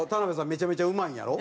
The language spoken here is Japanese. めちゃめちゃうまいんやろ？